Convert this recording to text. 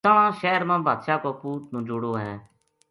تہنا شہر ما بادشاہ کو پوت نجوڑو ہے